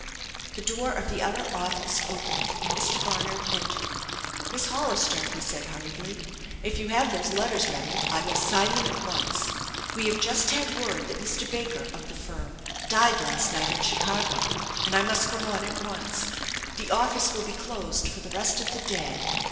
The door of the outer office opened, and Mr. Barnard entered. "Miss Hollister," he said hurriedly, "if you have those letters ready, I will sign them at once. We have just bad word that Mr. Baker of the firm died last night in Chicago, and I must go on at once. The office will be closed for the rest of the day.